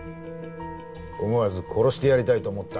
思わず殺してやりたいと思った？